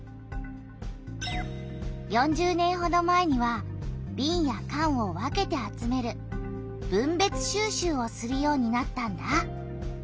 ４０年ほど前にはびんやかんを分けて集める「分別収集」をするようになったんだ。